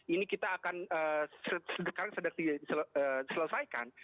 ini kita akan sekarang sudah selesaikan